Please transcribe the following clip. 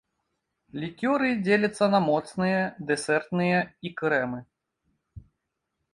Лікёры дзеляцца на моцныя, дэсертныя і крэмы.